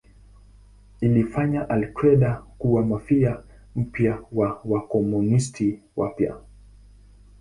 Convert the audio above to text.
Ilifanya al-Qaeda kuwa Mafia mpya au Wakomunisti wapya.